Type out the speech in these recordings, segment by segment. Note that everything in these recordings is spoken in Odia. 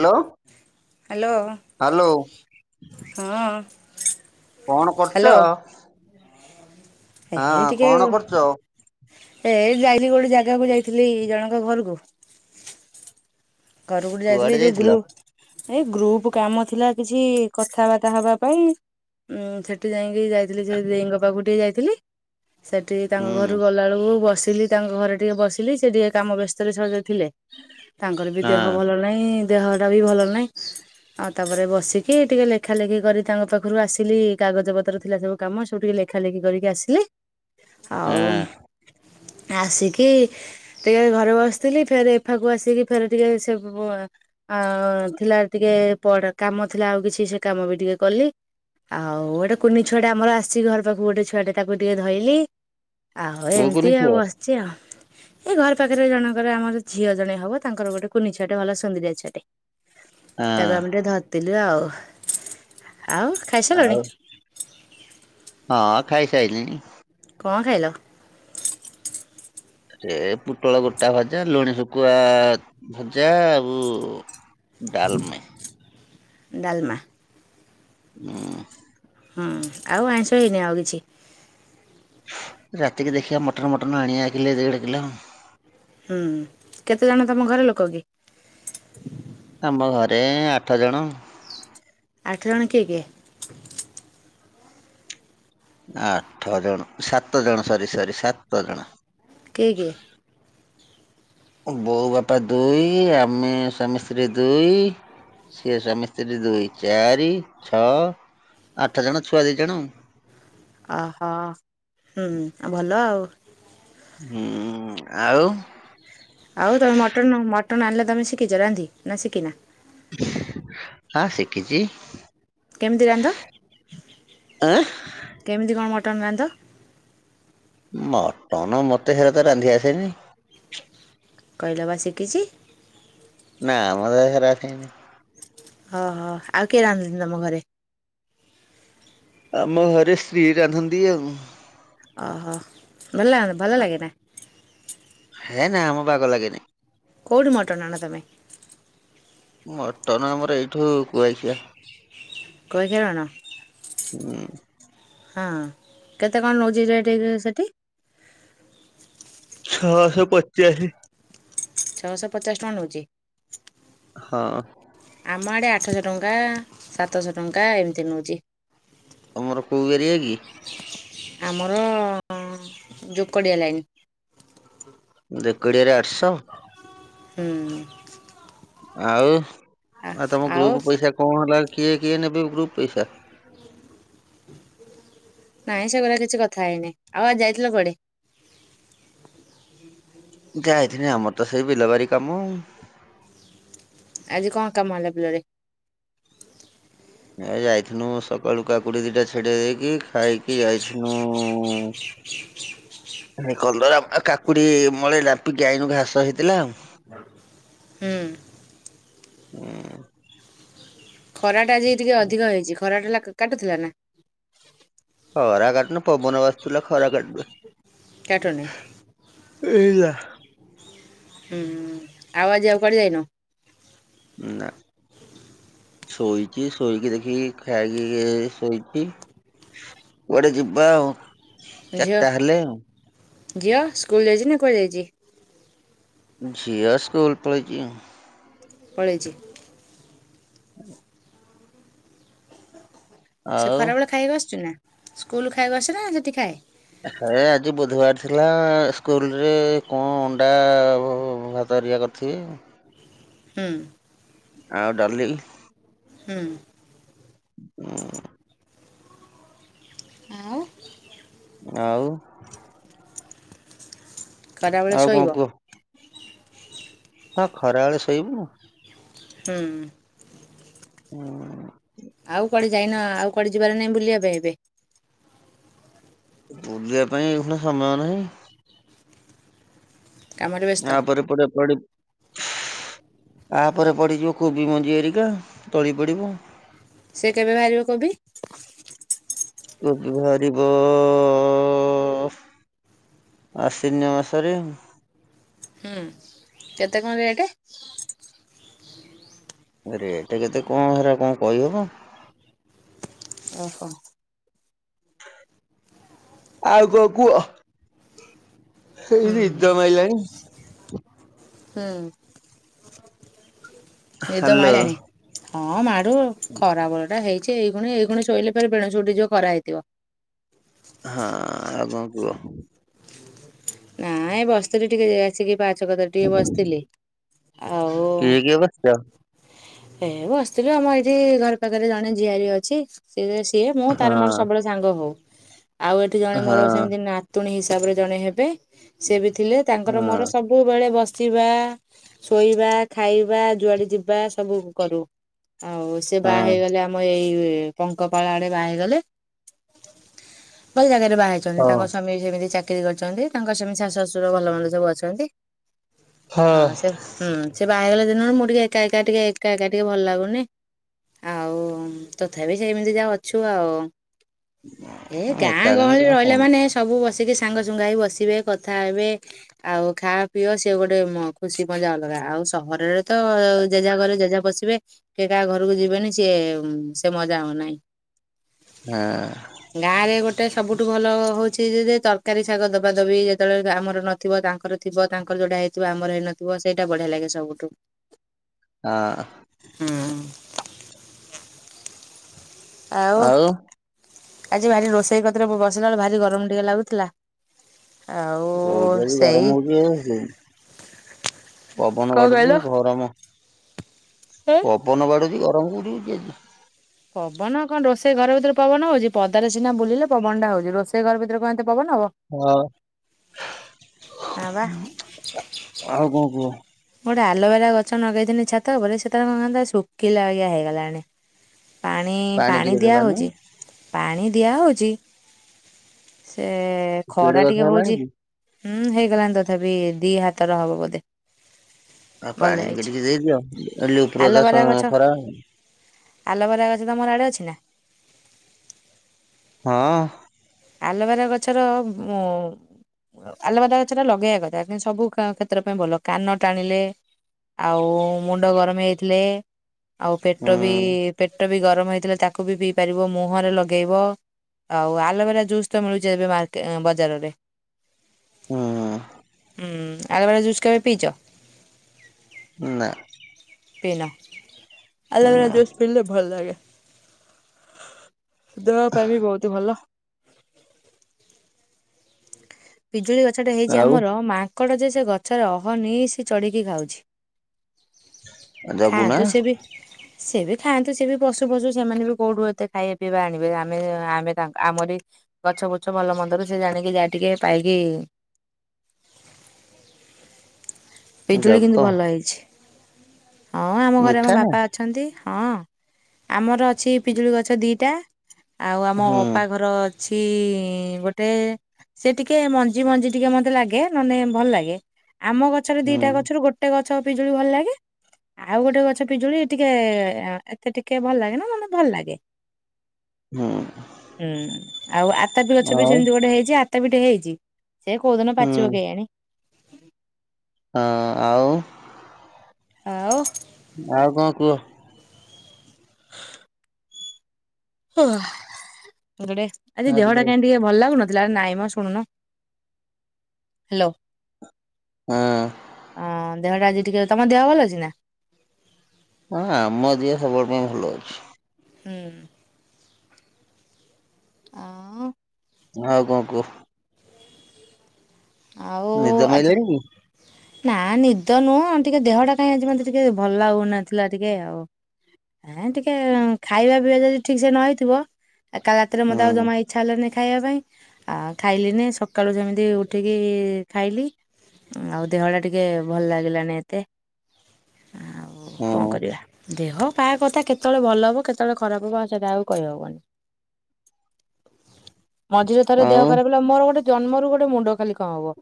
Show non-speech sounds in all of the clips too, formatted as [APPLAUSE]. ହ୍ୟାଲୋ। ହ୍ୟାଲୋ ହ୍ୟାଲୋ ହଁ। କଣ କରୁଚ? ହ୍ୟାଲୋ ଏ ଟିକେ ଏ ଯାଇନି ଗୋଟେ ଜାଗାକୁ ଯାଇଥିଲି ଜଣଙ୍କ ଘରକୁ। ଘର କୁ କୁଆଡେ ଯାଇଥିଲି ଯୋଉ ଯାଇଥିଲ ଗ୍ରୁପ୍ ଏଇ ଗ୍ରୁପ କାମ ଥିଲା କିଛି କଥାବାର୍ତ୍ତା ହବା ପାଇଁ। ଉଁ ସେଠି ଯାଇକି ଯାଇଥିଲି ସେ ଦେଇଙ୍କ ପାଖକୁ ଟିକେ ଯାଇଥିଲି। ସେଠି ତାଙ୍କ ହୁଁ ଘରୁ ଗଲାବେଳକୁ ବସିଲି ତାଙ୍କ ଘରେ ଟିକେ ବସିଲି ସେ ଟିକେ କାମ ବ୍ୟସ୍ତରେ ସହଜେ ଥିଲେ ତାଙ୍କର ବି ହଁ ଦେହ ଭଲ ନାଇଁ ଦେହ ଟା ବି ଭଲ ନାଇଁ ଆଉ ତାପରେ ବସିକି ଟିକେ ଲେଖା ଲେଖି କରି ତାଙ୍କ ପାଖରୁ ଆସିଲି କାଗଜ ପତ୍ର ଥିଲା ସବୁ କାମ ସବୁ ଟିକେ ଲେ‌ ଲେଖାଲେଖି କରିକି ଆସିଲି ଆଉ ହଁ ଆସିକି ଟିକେ ଘରେ ବସିଥିଲି ଫେରେ ଏଫାକୁ ଆସିକି ଫେରେ ଟିକେ ସେ ବ ଆ ଥିଲା ଟିକେ ପଢା କାମ ଥିଲା ଆଉ କିଛି ସେ କାମ ବି ଟିକେ କଲି। ଆଉ ଗୋଟେ କୁନି ଛୁଆଟେ ଆମର ଆସିଛି ଘର ପାଖକୁ ଗୋଟେ ଛୁଆଟେ ତାକୁ ଟିକେ ଧଇଲି। ଆଉ ଏମିତି କହୁକୁନି ଆଉ ପୁଅ ବସ୍‌ ବସିଛି ଆଉ ଏ ଘର ପାଖରେ ଜଣଙ୍କର ଆମର ଝିଅ ଜଣେ ହବ ତାଙ୍କର ଗୋଟେ ପୁ କୁନିଛୁଆଟେ ଭଲ ସୁନ୍ଦୁରୀଆ ଛୁଆଟେ ତାକୁ ହଁ ଆମେ ଟିକେ ଧରି ପକ୍ଷିବ ଆଉ ଆଉ ଖାଇସିଲାଣି? ଆଉ ହଁ ଖାଇସାଇଲିଣି। କଅଁ ଖାଇଲ। ସେ ପୁଟଳ ଗୋଟା ଭଜା ଲୁଣି ଶୁଖୁଆ ଭଜା ଆଉ ଡାଲମା। ଡାଲମା। ହୁଁ। ହୁଁ ଆଉ ଆଇଁଷ ହେଇନି ଆଉ କିଛି? ରାତିକି ଦେଖିବା ମଟନ୍ ମଟନ୍ ଆଣିବା କିଲେ ଦେଢ କିଲ। ହୁଁ କେତେଜଣ ତମ ଘରେ ଲୋକ କି? ଆମ ଘରେ ଆଠ ଜଣ। ଆଠ ଜଣ କିଏ କିଏ। ଆଠ ଜଣ ସାତ ଜଣ ସରି ସରି ସାତ ଜଣ। କିଏ କିଏ? ବୋଉ ବାପା ଦୁଇ ଆମେ ସ୍ୱାମୀ ସ୍ତ୍ରୀ ଦୁଇ ସିଏ ସ୍ୱାମୀ ସ୍ତ୍ରୀ ଦୁଇ ଚାରି ଛଅ ଆଠ ଜଣ ଛୁଆ ଦିଇ ଜଣ ଆଉ। ଓହୋ ହୁଁ ଆଉ ଭଲ ଆଉ। ହୁଁ ଆଉ। ଆଉ ତମେ ମଟନ୍ ମଟନ୍ ଆଣିଲେ ତମେ ଶିକିଚ ରାନ୍ଧି ନା ଶିଖିନା। ହଁ ଶିକିଚି। କେମିତି ରାନ୍ଧ ଆଁ କେମିତି କଣ ମଟନ୍ ରାନ୍ଧ। ମଟନ ମତେ ହେରା ତ ରାନ୍ଧି ଆସେନି। କହିଲ ପା ଶିକିଚି। ନା ମତେ ହେରା ଖାଇନି। ଓହୋ ଆଉ କିଏ ରାନ୍ଧୁଚି ତମ ଘରେ। ଆମ ଘରେ ସ୍ତ୍ରୀ ରାନ୍ଧନ୍ତି ଆଉ। ଓହୋ ଭଲ ଲାଗ ଭଲ ଲାଗେ ନା। ହେ ନାଁମ ବାଗ ଲାଗେନି। କୋଉଠୁ ମଟନ୍ ଆଣ ତମେ। ମଟନ ଆମର ଏଇଠୁ କୁଆଖିଆ। କହିକି ଆଣନା। ହୁଁ। ହଁ କେତେ କଣ ନୋଉଚି ରେଟ୍ ସେଠି। ଛଅଶହ ପଚାଶେ। ଛଅଶହ ପଚାଶ ଟଙ୍କା ନୋଉଚି। ହଁ। ଆମ ଆଡ଼େ ଆଠଶହ ଟଙ୍କା ସାତଶହ ଟଙ୍କା ଏମିତି ନୋଉଛି। ତମର କୋଉ ଏରିଆ କି? ଆମର ଯୋକଡ଼ିଆ ଲାଇନ୍। ଯୋକଡିଆରେ ଆଠଶହ। ହୁଁ। ଆଉ ଆଉ ତମ ଗ୍ରୁପ୍ ପଇସା କଣ ହେଲା କିଏ କିଏ ନେବେ ଗ୍ରୁପ ପଇସା। ନାଇଁ ସେଗୁରା କିଛି କଥା ହେଇନି, ଆଉ ଆଜି ଯାଇଥିଲ କୁଆଡେ? ଯାଇଥିନି ଆମର ତ ସେଇ ବିଲବାଡି କାମ। ଆଜି କଣ କାମ ହେଲା ବିଲରେ। ଏ ଯାଇଥିନୁ ସକାଳୁ କାକୁଡି ଦିଇଟା ଛିଡେଇ ଦେଇକି ଖାଇକି ଯାଇଥିନୁ [INAUDIBLE] କଲରା ଆଉ କାକୁଡି ମଳେ ରାମ୍ପିକି ଆଇନୁ ଘାସ ହେଇଥିଲା। ହୁଁ। ଉଁ ଖରା ଟା ଆଜି ଟିକେ ଉଁ ଅଧିକ ହେଇଛି ଖରା ଟା ଲା କାଟୁଥିଲା ନା। ଖରା କାଟୁନି ପବନା ବାଜୁଥିଲା ଖରା କାଟୁନେଇ। କାଟୁନି। ଏଇ ଲା। ହୁଁ ଆଉ ଆଜି ଆଉ କୁଆଡେ ଯାଇନ? ନାଁ। ଶୋଇଚି ଶୋଇକି ଦେଖିକି ଖାଇକି ଏ ଶୋଇଚି। କୁଆଡେ ଯିବା ଆଉ। ଝିଅ, ଚାରିଟା ହେଲେ ଆଉ ଝିଅ ସ୍କୁଲ୍ ଯାଇଛି ନା କୁଆଡେ ଯାଇଚି। ଝିଅ ସ୍କୁଲ୍ ପଳେଇଚି ଆଉ। ପଳେଇଚି। [UNINTELLIGIBLE] ସେ ଆଉ। ଖରାବେଳେ ଖାଇବାକୁ ଆସୁଚି ନା ସ୍କୁଲ୍ ଖାଇବାକୁ ଆସୁଚି ନା ସେଠି ଖାଏ। ହେ ଆଜି ବୁଧବାର ଥିଲା ସ୍କୁଲ୍ରେ କଣ ଅଣ୍ଡା ଭାତ ହରିକା କରି ଛି ହୁଁ। ଆଉ ଡାଲି? ହୁଁ। ହୁଁ। ଆଉ [INAUDIBLE] ଆଉ। ଖରାବେଳେ ଆଉ କଣ ଶୋଇବ। କୁହ ହଁ ଖରାବେଳେ ଶୋଇବୁ। ହୁଁ। ଉଁ। ଆଉ କୁଆଡେ ଯାଇନ ଆଉ କୁଆଡେ ଯିବାରେ ନାଇଁ ବୁଲିବା ପାଇଁ ଏବେ? ବୁଲିବା ପାଇଁ ଏଇଖୁଣା ସମୟ ନାହିଁ। କାମରେ ବ୍ୟସ୍ତ ଆ ପରେ ପରେ ପଡି ଆ ପରେ ପଡିଯିବ କୋବି ମଞ୍ଜି ଏରିକା ତଳି ପଡିବ। ସେ କେବେ ବାହାରିବ କୋବି? କୋବି ବାହାରିବ ଅ ଆଶିନ୍ୟ ମାସରେ। ହୁଁ କେତେ କଣ ରେଟ୍? ରେଟ୍ କେତେ କଣ ହେରା କଣ କହିହବ। ଓହୋ। ଆଉ କଣ କୁହ? ସେଇ ହୁଁ ନିଦ ହୁଁ। ମାଇଲାଣି ନିଦ ହାଲୋ ମାଇଲାଣି ହଁ ମାଡୁ ଆଉ ଖରା ବେଳଟା ହେଇ ଚି ଏଇଖୁଣି ଏଇଖୁଣି ଶୋଇଲେ ଫେରେ ବେଣୁଶୁ ଉଠିଯିବ ଖରା ହେଇଥିବ। ହଁ ଆଉ କଣ କୁହ? ହଁ ଏ ବସିଥିଲି ଟିକେ ଟିକେ ପାହାଚ କତିରେ ଟିକେ ବସିଥିଲି ଆଉ କିଏ କିଏ ବସିଛ? ଏ ବସିଥିଲୁ ଆମ ଏଇଠି ଘର ପାଖରେ ଜଣେ ଝିଆରୀ ଅଛି। ସେ ସିଏ ମୁଁ ତାର ମୋର ହଁ ସବୁବେଳେ ସାଙ୍ଗ ହଉ ଆଉ ଏଠି ଜଣେ ହଁ ମୋର ସେମିତି ନା ତୁଣୀ ହିସାବରେ ଜଣେ ହେବେ ସେ ବି ଥିଲେ ତାଙ୍କର ହଁ ମୋର ସବୁ ସବୁବେଳେ ବସିବା ଶୋଇବା ଖାଇବା ଯୁଆଡେ ଯିବା ସବୁ କରୁ। ଆଉ ସେ ବାହା ହଁ ହେଇଗଲେ ଆମ ଏଇ ପଙ୍କପାଳ ଆଡେ ବାହାହେଇଗଲେ ଭଲ ଜାଗାରେ ବାହାହେଇଛନ୍ତି ହଁ ତାଙ୍କ ସ୍ୱାମୀ ଜେମିତି ଚା ଚାକିରୀ କରିଛନ୍ତି ତାଙ୍କର ସେମିତି ଶାଶୁ ଶଶୁର ଭଲ ମନ୍ଦ ସବୁ ଅଛନ୍ତି ହଁ। ଆଉ ସେ ହୁଁ ସେ ବାହାହେଇଗଲା ଦିନରୁ ମୁଁ ଟିକେ ଏକା ଏକା ଟିକେ ଏକା ଏକା ଟିକେ ଭଲ ଲାଗୁନି। ଆଉ ତଥାପି ସେମିତି ଯା ଅଛୁ ଆଉ। ଏ ଗାଁ ଏକା କାଇଁ ଗହଳି ତମେ ସମ ରହିଲା ମାନେ ସବୁ ବସିକି ସାଙ୍ଗସୁଙ୍ଗା ହେଇ ବସି ବସିବେ କଥା ହେବେ। ଆଉ ଖାଆ ପିଅ ସିଏ ଗୋଟେ ଖୁସି ମଜା ଅଲଗା ଆଉ ସହରରେ ତ ଜେଝା ଘରେ ଜେଝା ବସିବେ କେହି କାହା ଘରକୁ ଯିବେନି ସିଏ ସେ ମଜା ହଉନାହିଁ। ହାଁ। ଗାଁରେ ଗୋଟେ ସବୁଠୁ ଭଲ ହଉଚି ଜେ ତରକାରୀ ଶାଗ ଦବା ଦବା ଦବି ଯେତେବେଳେ ଆମର ନଥିବ ତାଙ୍କର ଥିବ ତାଙ୍କର ଯୋଉଟା ହେଇଥିବ ଆମର ହେଇନଥିବ ସେଇଟା ବଢିଆ ଲାଗେ ସବୁଠୁ। [INAUDIBLE] ଆଁ। ହୁଁ। ଆଉ ଆଜି ଭାରି ରୋଷେଇ କତିରେ ବସିଲାଳୁ ଭାରି ଗରମ ଟିକେ ଲାଗୁଥିଲା। ଆଉ କୋଉଠି ଆଜି ଗରମ ସେଇ ହଉଛି ଏ ଯୋଉ ପବନ ବାଡୁଛି ତ ଗରମ ଏ ପବନ ବାଡୁଛି ଗରମ କୋଉଠି ହେଇଛି ଆଜି। ପବନ କଣ ରୋଷେଇ ଘର ଭିତରେ ପବନ ହଉଚି ପଦାରେ ସିନା ବୁଲିଲେ ପବନ ଟା ହଉଚି ରୋଷେଇ ଘର ଭିତରେ କଁ ଏତେ ପବନ ହବ? ହଁ ନା ବା। ଆଉ କଁ କୁହ? ମୁଁ ଗୋଟେ ଆଲୋଭେରା ଗଛ ନଗେଇଥିନି ଛାତଉପରେ ସେ ତାର କଣ କନୀ ଶୁଖିଲା ଭଳିଆ ହେଇଗଲାଣି। ପାଣି ପାଣି ଟିକେ ଦିଆ ଦେଲନି ହଉଛି। ପାଣି ଦିଆ ହଉଚି, ସେ କେଡେ ଖରା କଥା ଟିକେ ହେଲାଣି ହଉଚି। କି? ହୁଁ ହେଇଗଲାଣି ତଥାପି ଦି ହାତ ର ହବ ବୋଧେ। ଆଉ ଭଲ ପାଣି ଟିକେ ହେଇଛି। ଟିକେ ଦେଇଦିଅ, ଲୋ ଆଲୋବେରା ଉପରଓତା ଗଛ ଖରା ଆଲୋବେରା ଗଛ ତମର ଆଡ଼େ ଅଛି ନା? ହଁ। ଆଲୋବେରା ଗଛର ଆଲୋବେରା ଗଛ ଟା ଲଗେଇବା କଥା କି ସବୁ କ୍ଷେତ୍ର ପାଇଁ ଭଲ କାନ ଟାଣିଲେ। ଆଉ ମୁଣ୍ଡ ଗରମ ହେଇଆଇଥିଲେ ଆଉ ପେଟ ବି ହୁଁ। ପେଟ ବି ଗରମ ହେଇଥିଲେ ତା କୁବି ପିଇ ପାରିବ, ମୁହଁରେ ଲଗେଇବ ଆଉ ଆଲୋବେରା ଜୁସ୍ ତ ମିଳୁଛି ଏବେ ମାର୍କ ବଜାରରେ। ହୁଁ ହୁଁ ଆଲୋଭେରା ଜୁସ କେବେ ପିଇଚ? ନା। ପିନ ନା ଆଲୋବେରା ଜୁସ ପିଇଲେ ଭଲ ଲାଗେ। ଦେହ ପାଇଁ ବି ବହୁତ ଭଲ। ପିଜୁଳି ଗଛଟେ ହେଇଚି ଆଉ ଆମର ମାଙ୍କଡ଼ ଯେ ସେ ଗଛରେ ଅହନିଶି ଚଢ଼ିକି ଖାଉଛି। ଜଗୁନା ଖାନ୍ତୁ ସେ ବି। ସେ ବି ଖାଆନ୍ତୁ ସେ ବି ପଶୁ ପଶୁ ସେମାନେ ବି କୋଉଠୁ ଏତେ ଖାଇବା ପିଇବା ଆଣିବେ ଆମେ ଆମେ ତାଙ୍କ ଆମରି ଗଛ ଗୁଛ ଭଲ ମନ୍ଦରୁ ସେ ଜାଣିକି ଯାହା ଟିକେ ପାଇକି ପିଜୁଳି ଜଗ କିନ୍ତୁ ଭଲ ହେଇଛି, ହଁ ଆମ ଘରେ ଆମ ମିଠା ନା ବାପା ଅଛନ୍ତି, ହଁ ଆମର ଅଛି ପିଜୁଳି ଗଛ ଦିଟା। ଆଉ ଆମ ହୁଁ ଅପା ଘର ଅଛି ଗୋଟେ। ସେ ଟିକେ ମଞ୍ଜି ମଞ୍ଜି ଟିକେ ମତେ ଲାଗେ ନନେ ଭଲ ଲାଗେ, ଆମ ଗଛରେ ହୁଁ ଦିଟା ଗଛରୁ ଗୋ ଟେ ଗଛ ପିଜଳି ଭଲ ଲାଗେ। ଆଉ ଗୋଟେ ଗଛ ପିଜୁଳି ଟିକେ ଏତେ ଟିକେ ଭଲ ଲାଗେ ନା ମତେ ଭଲ ଲାଗେ। ହୁଁ ହୁଁ ଆଉ ଆତାପି ଗଛ ବି ଆଉ ସେମିତି ଗୋଟେ ହେଇଚି ଆ ତାପି ଟେ ହେଇଚି ହେଇଛି ସେ କୋଉ ଦିନ ହୁଁ ପାଚିବ ହଁ କେୟାଣିି। ହଁ ଆଉ। ଆଉ। ଆଉ କଁ କୁହ? [UNINTELLIGIBLE] ଆଜି ଦେହ ଟା କାଇଁ ଟିକେ ଭଲ ଲାଗୁନଥିଲା, ନାଇଁ ମ ଶୁଣୁନ ହ୍ୟାଲୋ। ହଁ ଆଁ ଦେହ ଟା ଆଜି ଟିକେ, ତମ ଦେହ ଭଲ ଅଛି ନା? ହଁ ଆମ ଦିଅ ସବୁବେଳେ ପାଇଁ ଭଲ ଅଛି। ହୁଁ। ଆଉ। ଆଉ କଣ କୁହ। ଆଉ ନିଦ ଆଜି ମାଇଲାଣି କି? ନା ନିଦ ନୁହଁ ଟିକେ ଦେହ ଟା କାଇଁ ଆଜି ମତେ ଟିକେ ଭଲ ଲାଗୁନଥିଲା ଟିକେ ଆଉ। ଏ ଟିକେ ଖାଇବା ପିଇବା ଯଦି ଠିକ୍ ସେ ନହେଇଥିବ ଆ କାଲି ରାତିରେ ମତେ ଆଉ ହୁଁ ଜମା ଇଚ୍ଛା ହେଲାନି ଖାଇବା ପାଇଁ ଆଉ ଖାଇଲିନି ସକାଳୁ ଯେମିତି ଉ ଉଠିକି ଖାଇଲି ଆଉ ଦେହ ଟା ଟିକେ ଭଲ ଲାଗିଲାନି ଏତେ। ଆଉ କଣ ହୁଁ କରିବା। ଦେହ ପା କଥା କେତେବେଳେ ଭଲ ହେବ କେତେବେଳେ ଖରାପ ହେବ ଆଉ ସେଇଟା ଆଉ କହିହେବନି। ମଝିରେ ଥର ଦେହ ଆଉ ଖରାପ ହେଲା ମୋର ଗୋଟେ ଜନ୍ମରୁ ଗୋଟେ ମୁଣ୍ଡ ଖାଲି କଣ ହବ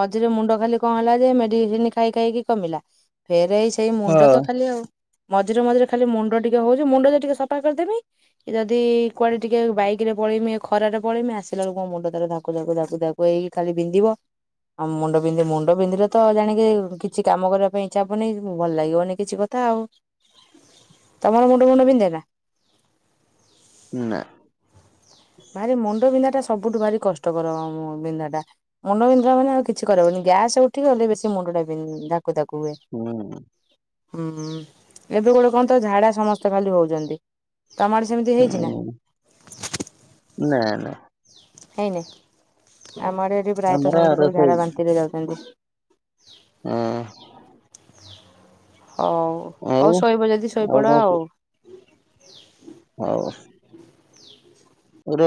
ମଝିରେ ମୁଣ୍ଡ ଖାଲି କଣ ହେଲା ଯେ ମେଡିସିନ ଖାଇ ଖାଇକି କମିଲା। ଫେରେ ଏଇ ସେଇ ମୁଣ୍ଡ ହଁ ତ ଖାଲି ଆଉ। ମଝିରେ ମଝିରେ ଖାଲି ମୁଣ୍ଡ ଟିକେ ହଉଛି ମୁଣ୍ଡ ଯଦି ଟିକେ ସଫା କରିଦେମି ଯଦି କୁଆଡେ ଟିକେ ବାଇକିରେ ପଳେଇମି ଖରାରେ ପାଳେଇମି ଆସିଲା ବେ ମୋ ମୁଣ୍ଡ ତାର ଧାକୁ ଧାକୁ ଧାକୁ ଧାକୁ ଏଇ ଖାଲି ବିନ୍ଧିବ। ଆଉ ମୁଣ୍ଡ ବିନ୍ଧି ମୁଣ୍ଡ ବିନ୍ଧିଲେ ତ ଜାଣିକି କିଛି କାମ କରିବା ପାଇଁ ଇଚ୍ଛା ହବନି ଭଲ ଲାଗିବନି କିଛି କଥା ଆଉ। ତମର ମୁୁଣ୍ଡ ଫୁଣ୍ଡ ବିନ୍ଧେନା। ନା। ଭାରି ମୁଣ୍ଡ ବିନ୍ଧା ଟା ସବୁଠୁ ଭାରି କଷ୍ଟକର ବିନ୍ଧା ଟା। ମୁଣ୍ଡ ବିନ୍ଧିଲା ମାନେ ଆଉ କିଛି କରିହେବନି ଗ୍ୟାସ୍ସ ଉଠି ଗଲେ ବେଶୀ ମୁଣ୍ଡ ଟା ବିନ୍ଧି ଧାକୁ ଧାକୁ ହୁଏ। ହୁଁ। ଉଁ ହୁଁ ଏବେ ଗୋଟେ କଣ ତ ଝାଡା ସମସ୍ତେ ଖାଲି ହଉଛନ୍ତି ତମର ହୁଁ ନା ନା। ହେଇନି ଆମଆଡେ ଏଠି ଆମର ପ୍ରାୟତଃ ସେମିତି ଆର ସବୁ ଶୋଇ ଝାଡା ବାନ୍ତିିରେ ଯାଉଛନ୍ତି। ଉଁ। ଓ ହଉ ଆଉ ହଉ ଶୋଇବ ଯଦି ଶୋଇପଡ କଣ କୁହ ଆଉ। ହଉ।